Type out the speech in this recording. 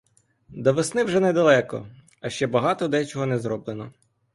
До весни вже недалеко, а ще багато дечого не зроблено.